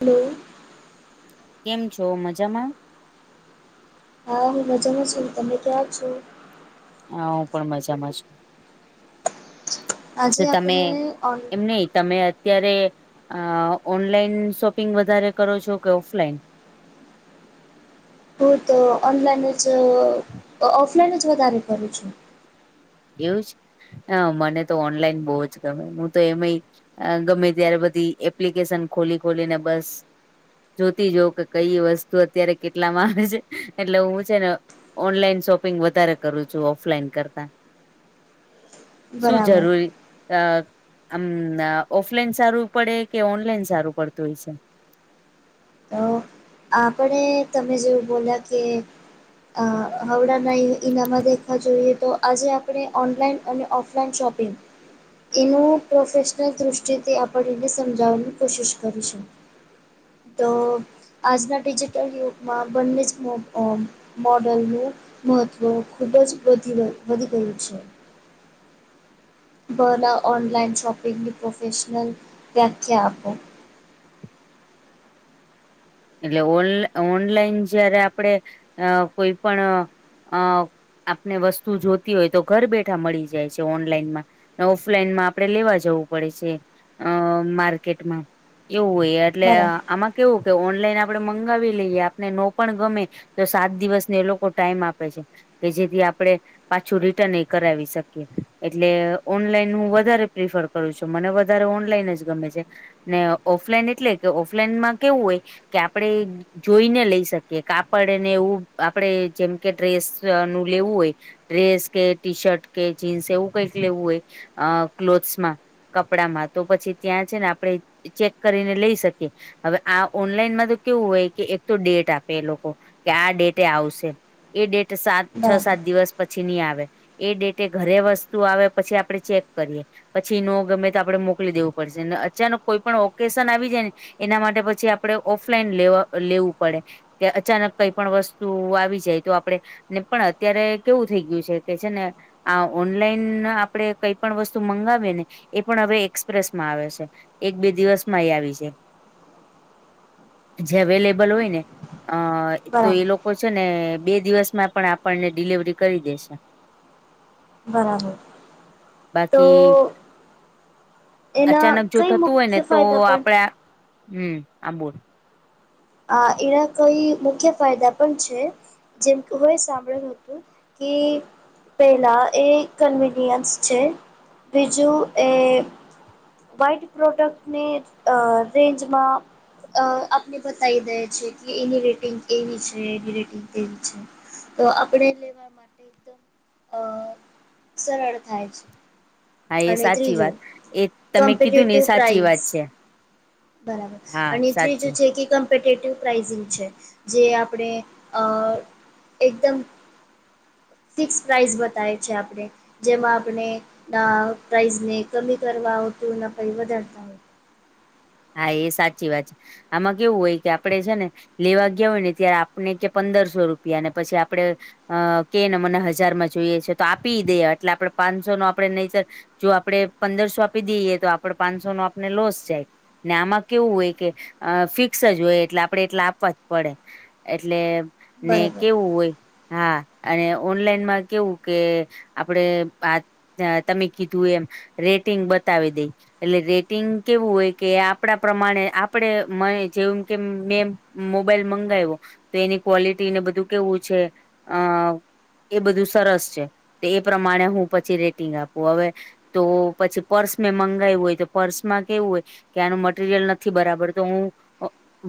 Hello. કેમ છો મજામાં? હા હું મજામાં છું તમને ક્યાં છો. હા હું પણ મજામાં છું. આજે શું તમે આપણે ઓન એમ નહ તમે અ અત્યારે ઓનલાઈન શોપિંગ વધારે કરો છો કે ઓફલાઈન. હું તો ઓનલાઈન જ ઓફલાઈન જ વધારે કરું છું. એવું જ હ મને તો ઓનલાઈન બહુ જ ગમે હું તો એમ અ ગમે ત્યારે બધી એપ્લિકેશન ખોલી ખોલીને બસ. જોતી જવ કે કઈ વસ્તુ અત્યારે કેટલામાં આવે છે એટલે હું છે ને ઓનલાઈન શોપિંગ વધારે કરું છું ઓફલાઈન કરતા. શું બરાબર જરૂરી. અ આમ ઓફલાઈન સારું પડે કે ઓનલાઈન સારું પડતું હોય છે? તો. આપણે તમે જેવું બોલ્યા કે અ હવડા ઈનામાં દેખવા જોઈએ તો આજે આપણે ઓનલાઈન અને ઓફલાઈન શોપિંગ. એનું પ્રોફેશનલ દૃષ્ટિથી આપણે એને સમજાવવાની કોશિશ કરીશું. તો. આજના ડિજિટલ યુગમાં બંને જ મો મોડલનું. મહત્વ ખુબ જ વધી વધી ગયું છે. બ ના ઓનલાઈન શોપિંગની પ્રોફેશનલ વ્યાખ્યા આપો. એટલે ઓન ઓનલાઈન જયારે આપડે અ કોઈ અ પણ આપને વસ્તુ જોતી હોય તો ઘર બેઠા મળી જાય છે ઓનલાઈન માં. ઓફલાઈનમાં આપડે લેવા જવું પડે છે અ માર્કેટમાં એવું હોય અ એટલે બરાબર આમાં કેવું કે ઓન ઓલાઈન આપડે મંગાવી લઈએ આપને નો પણ ગમે તો સાત દિવસ ને એલોકો ટાઈમ આપે છે. કે જેથી આપડે. પાછું રિટર્ન એ કરાવી શકીએ એટલે ઓનલાઈન હું વધારે પ્રિફર કરું છું મને વધારે ઓનલાઈન જ ગમે છે ને ઓફલાઈન એટલે કે ઓફલાઈનમાં કેવું હોય. કે આપડે. જોઈને લઈ શકીએ કાપડ ને એવું આપડે જેમ કે ડ્રેસ નું લેવું હોય. ડ્રેસ કે ટી-શર્ટ કે જીન્સ એવું કઈક લેવું હોય અ ક્લોથસ માં કપડામાં તો પછી ત્યાં છે ને આપણે ચેક કરીને લઈ શકીએ હવે આ ઓનલાઈનમાં. કેવું હોય કે એક તો ડેટ આપે એ લોકો કે આ ડેટે આવશે. એ ડેટ સાત છ બરાબર સાત દિવસ પછી ની આવે. એ ડેટે ઘરે વસ્તુ આવે પછી આપડે ચેક કરીએ. પછી નો ગમે તો આપણે મોકલી દેવું પડશે ને અચાનક કોઈ પણ ઓકેશન આવી જાય એના માટે પછી આપડે ઓફલાઈન લેવા લેવું પડે. કે અચાનક કઈ પણ વસ્તુ આવી જાય તો આપડે ને પણ અત્યારે કેવું થઈ ગયું છે કે છે ને આ ઓનલાઈન આપડે કઈ પણ વસ્તુ મંગાવીએને એ પણ હવે એક્સપ્રેસમાં આવે છે. એક બે દિવસમાંય એ આવી જાય. જે અવેલેબલ હોય ને અ તો એ બરાબર લો કો છે ને બે દિવસમાં પણ આપણને ડીલિવરી કરી દેશે. બરાબર, તો બાકી એના અચાનક જો કઈ થતું હોય ને મુખ્ય તો ફાયદા પણ આપળા, હમ આ બોલ આ એના કઈ મુખ્ય ફાયદા પણ છે, જેમ કે હું એ સાંભળ્યું હતું કે પહેલા એ કનવિન્યસ છે. બીજું એ વ્હાઈટ પ્રોડક્ટને અ રેન્જમાં અ આપણી બતાવી દે છે કે એની રેટિંગ એવી છે, એની રેટિંગ કેવી છે. તો આપડે લેવા માટે એકદમ અ સરળ થાય છે. હા એ અને સાચી વાત ત્રીજું એ તમે કીધું ને કોમ્પિટેટિવ એ સાચી પ્રાઇઝ વાત છે બરાબર હા અને સાચું ત્રીજું છે કે ક પેટેટિવ પ્રાઇઝિંગ છે, જે આપણે એકદમ ફિક્સ પ્રાઇસ બતાવે છે આપડે જેમાં આપણે અ પ્રાઇઝને કમી કરવા હોતું એના પહી વધારતા હોય. હા, એ સાચી વાત છે. આમાં કેવું હોય કે આપડે છે ને લેવા ગ્યા હોય ને ત્યારે આપણે કે પંદરસો રૂપિયા ને પછી આપડે અ કેને મને હજારમાં જોઈએ છે તો આપીય દે એટલે આપડે પાંચસો નો આપડે ન [unintelligible] જો આપડે પંદરસો આપી દઈએ તો આપડ પાંચસોનો આપને લોસ જાય. ને આમાં કેવું હોય કે અ ફિક્સ જ હોય એટલે આપણેે એટલા આપવા જ પડે એટલે ને બરાબર કેવું હોય હા, અને ઓનલાઈનમાં કેવું કે આપણેે આ અ તમે કીધું એમ રેટિંગ બતાવી દઈ, એટલે રેટિંગ કેવું હોય કે આપ આપડા પ્રમાણે આપડે મને જેવમ કે મેં મોબાઈલ મંગાવ્યો તો એની ક્વોલિટીને બધું કેવું છે અ એ બધું સરસ છે, તો એ પ્રમાણે હું પછી રેટિંગ આપું હવે તો પછી પર્સ મે મંગાવું હોય તો પર્સમાં કેવું હોય કે આનું મ ટીરિયલ નથી બરાબર તો હું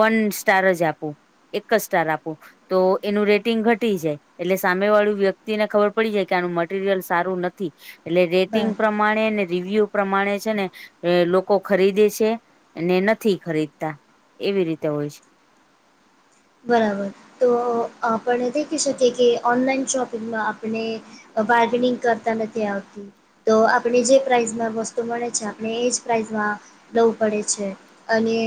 વન સ્ટાર જ આપું એક જ સ્ટાર આપું. તો એનું રેટિંગ ઘટી જાય. એટલે સામે વાળુ વ્યક્તિને ખબર પડી જાય કે આનું મટીરિયલ સારું ન થી એટલે રેટિંગ બરાબર પ્રમાણેને રિવ્યુ પ્રમાણે છે ને લોકો ખરીદે છે. ને નથી ખરીદતા એવી રીતે હોય છે. બરાબર તો આપણે દેખી શકીએ કે ઓનલાઈન શોપિંગમાં આપણે બાર્ગેનિંગ કરતા નથી આવતી તો આપણે જે પ્રાઇઝમાં વસ્તુ મળે છે, આપને એ જ પ્રાઇઝમાં દવું પડે છે અને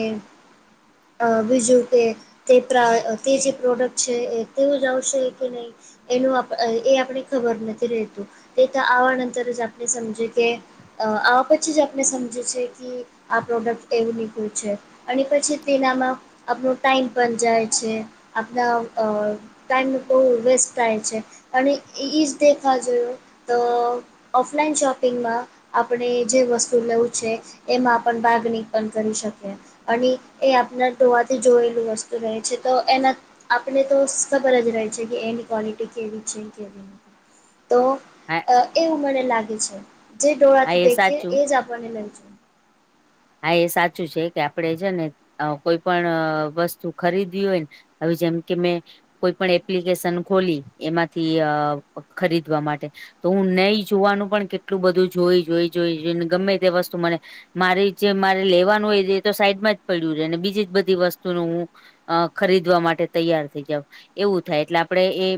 અ બીજું કે તે પ્ર તે જે પ્રોડક્ટ છે એ તેવું જ આવશે કે નહીં એનું એ આપણે ખબર નથી રહેતું તે તો આવા અંતર જ આપણે સમજે કે, આવા પછી જ આપણે સમજી છે કે આ પ્રોડક્ટ એવું નીકળ્યું છે. અને પછી તેનામાં આપણ ટાઈમ પણ જાય છે આપણા અ ટાઈમ બહુ વેસ્ટ થાય છે અને એ જ દેખવા જો તો ઓફલાઈન શોપિંગમાં આપણે જે વસ્તુ લેવું છે એમાં બાગણી [unintelligible] પણ કરી શકીએ. અને એ આપણા ટોવાથી જોયેલું હશે. રહે છે તો એના આપણે તો ખબર જ રહે છે કે એની ક્વોલિટી કેવી છે કેવી [inaudible] તો હા અ એવું મને લાગે છે જે હા ડોળાથી એ દેખે સાચું એજ આપણને લઈ જાય હા એ સાચું છે કે આપડે છે ને કોઈ પણ વસ્તુ ખરીદીવી હોયન હવે જેમ કે મેં, કોઈપણ એપ્લિકેશન ખોલી એમાંથી અ ખરીદવા માટે તો હું નહી જોવાનું પણ કેટલું બધું જોઈ જોઈ જોઈ જોઈન ગમે તે વસ્તુ મને મારી જે મારે લેવાનું હોય એ તો સાઈડમાં જ પડ્યું રહેે ને બીજી જ બધી વસ્તુનું હું અ ખરીદવા માટે તૈયાર થઈ જાવ એવું થાય એટલે આપડે એ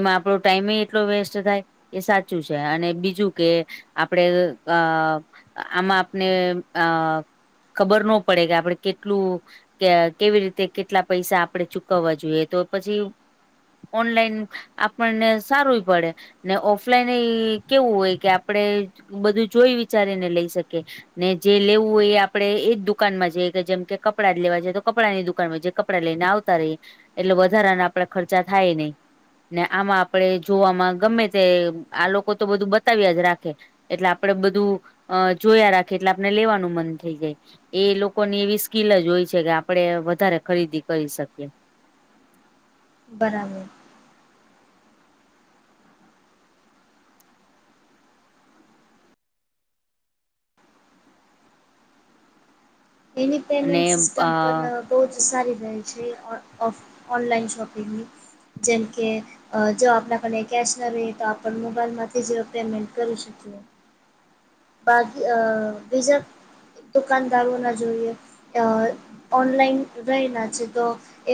એમાં આપણો ટાઈમે એટલો વેસ્ટ થાય એ સાચું છે અને બીજું કે આપડે અ આમાં આપણે અ ખબર નો પડે કે આપડે કેટલું કે કેવી રીતે કેટલા પૈસા આપડે ચુકવવા જોઈએ તો પછી ઓનલાઈન આપણને સારુંય પડે. ને ઓફલાઈન એય કેવું હોય કે આપડે બધું જોઈ વિચારીને લઈ શકે ને જે લેવું હોય એ આપડે એ જ દુકાનમાં જઈએ કે જેમ કે કપડાં જ લેવા જઈએ છે તો કપડાંની દુકાનમાં કપડાં લઈને આવતા રહીએ એટલે વધારાના આપડે ખર્ચા થાય નહી. ને આમાં આપડે જોવામાં ગમે તે આ લોકો તો બધું બતાવ્યા જ રાખે. એટલે આપડે બધું અ જોયા રાખી એટલે આપણે લેવાનું મન થઈ જાય. એ લોકોની એવી સ્કીલ જ હોય છે કે આપડે વધારે ખરીદી કરી શકીએ. બરાબર. એની અને પેમેન્ટ અ સિસ્ટમ પણ અ તો જ સારી રહે છે ઓફ ઓનલાઈન શોપિંગની જેમ કે, અજો આપણા પણે કેશ ના રહી તો આપ મોબાઈલમાંથી જ પેમેન્ટ કરી શકીએ. બાકી અ બીજા દુકાનદારોના જોઈએ અ ઓનલાઈન રહીના છે તો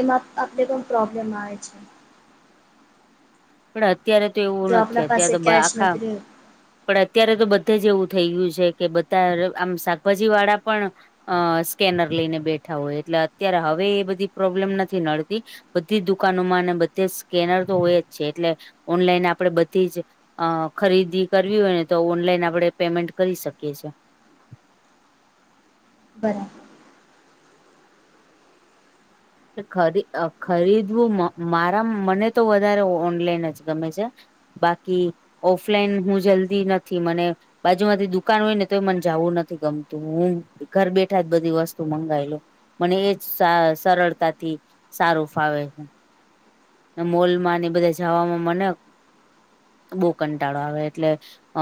એમાં આપણે પણ પ્રોબ્લેમ આવે છે. પણ અત્યારે તો એવું જો આપણા નથી પાસે અત્યારે તો કેશ આખા નથી રહ્યો પડ અત્યારે તો બધે જ એવું થઈ ગયું છે કે બધા આમ શાકભાજીવાળા પણ અ સ્કેનર લઈને બેઠા હોય એટલે અત્યારે હવે એ બધી પ્રોબ્લેમ નથી નડતી. બધી જ દુકાનોમાં અને બધે સ્કેનર તો હોય જ છે એટલે ઓનલાઈન આપડે બધી જ અ ખરીદી કરવી હોય ને તો ઓનલાઈન આપડે પેમેન્ટ કરી શકીએ છીએ. બરાબર. ખરી ખરીદવું મારા મને તો વધારે ઓનલાઈન જ ગમે છે. બાકી ઓફલાઈન હું જલ્દી નથી મને બાજુમાંથી દુકાન હોય ને તો એ મને જાવું નથી ગમતું હું ઘરબેઠા જ બધી વસ્તુ મંગાવી લો. મને એજ સા સરળતાથી સારું ફાવે છે. મોલમાંને બધે જાવામાં મને બોવ કંટાળો આવે એટલે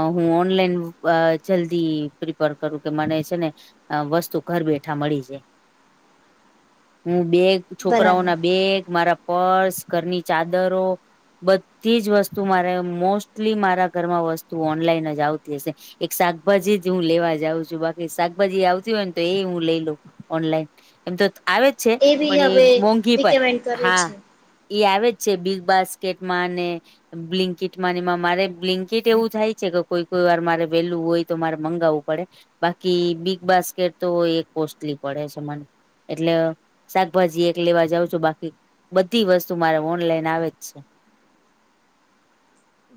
અ હું ઓનલાઈન અ જલ્દી પ્રિપર કરું કે મને છે ને વસ્તુ ઘર બેઠાં મળી જાય હું બેગ બરાબર છોકરાઓના બેગ મારા પર્સ ઘરની ચાદરો બધી જ વસ્તુ મારે મોસ્ટલી મારા ઘરમાં વસ્તુ ઓનલાઈન જ આવતી હશે. એક શાકભાજી જ હું લેવા જાઉં છું બાકી શાકભાજી આવતી હોય ને તો એય હું લઈ લઉં ઓનલાઈન એમ તો ત આવે જ છે બી પણ એ હવે મોંઘી પડે રિકમેન્ડ કરે હાં છે ઈ આવે જ છે બિગ બાસ્કેટમાં અને બ્લિન્કિટ માને એમાં મારે બ્લિન્કિટ એવું થાય છે કે કોઈ કોઈ વાર મારે વેલું હોય તો મારે મંગાવવું પડે બાકી બિગબાસ્કેટ તો એ કોસ્ટલી પડે છે મને એટલે શાકભાજી એક લેવા જાઉં છું બાકી બધી વસ્તુ મારે ઓનલાઈન આવે જ છે.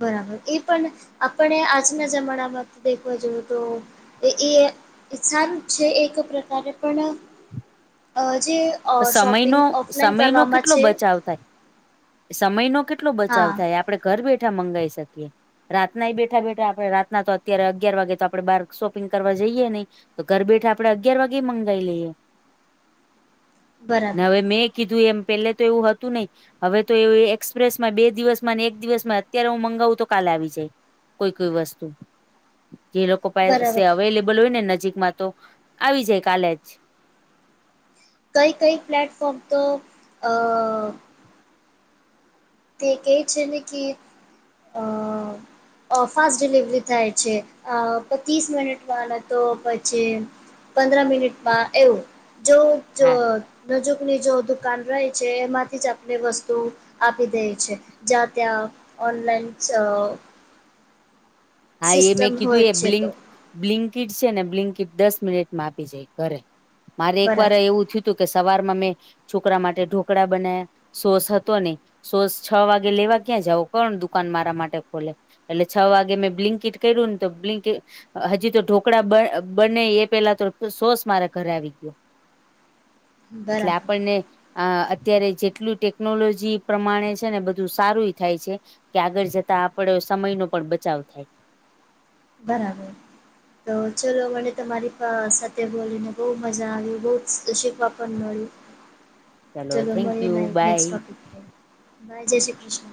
બરાબર, એ પણ આપણે આજના જમાનામાં દેખવા જોયું તો અ એ સારું જ છે એક પ્રકારે પણ અ જે અ સમયનો શોપિંગ ઓફલાઈન સમયનો કરવામાં કેટલો છે બચાવ થાય. સમયનો કેટલો બચાવ હા થાય આપ આપડે ઘર બેઠા મંગાઈ શકીએ. રાતનાય બેઠા-બેઠા આપણે રાતના તો અત્યારે અગિયાર વાગે તો આપડે બાર શોપિંગ કરવા જઈએ નઈ તો ઘર બેઠાં આપડે અગિયાર વાગેય મંગાઈ લઈએ. ન બરાબર હવે મેં કીધું એમ પેલેતો એવું હતું નઈ હવે તો એવું એક્સપ્રેસમાં બે દિવસમાં ને એક દિવસમાં અત્યારે હું મંગાવું તો કાલે આવી જાય. કોઈ-કોઈ વસ્તુ જે લોકો પાસે બરાબર અવેલેબલ હોય ને નજીકમાં તો આવી જાય કાલે જ. કઈ-કઈ પ્લેટફોર્મ તો અ તે કેય છે ને કે અ અ ફાસ્ટ ડિલિવરી થાય છે. અ પચીસ મિનિટમાં ને તો પછી પંદરા મિનિટમાં એવું જો જો હા નજુકની જો દુકાન રહે છે એમાંથી જ આપણે વસ્તુ [unintelligible] છે જ્યાં ત્યાં ઓનલાઈન છ હા એ મેં કીધું હોય એ છે બ્લિંક તો બ્લિન્કિટ છેને બ્લિન્કિટ દસ મિનિટમાં આપી જાય ઘરે મારે એકવાર બરાબર એવું થયું કે સવારમાં મેં છોકરા માટે ઢોકળા બનાયા સોસ હતો નઈ સોસ છ વાગે લેવા ક્યાં જાવો? કોણ દુકાન મારા માટે ખોલે? એટલે છ વાગે મેં બ્લિન્કિટ કર્યું ન તો બ્લિન્કિ હજી તો ઢોકળા બ બને એ પેલાતો સોસ મારા ઘરે આવી ગ્યો. એટલે બરાબર આપણને અ અત્યારે જેટલું ટેકનોલોજી પ્રમાણે છેને બધું સારુય થાય છે. કે આગળ જતાં આપડો સમયનો પણ બચાવ થાય. બરાબર તો ચલો મને તમારી પ સાથે બોલીને બઉ મજા આવી બઉ જ શીખવા પણ મળ્યું. ચલો થેન્ક યુ મળીએ [unintelligible] નેક્સ્ટ બાય ટોપિક પર, બાય જય શ્રીકૃષ્ણ